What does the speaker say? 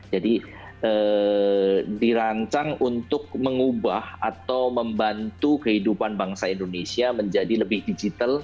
jadi dirancang untuk mengubah atau membantu kehidupan bangsa indonesia menjadi lebih digital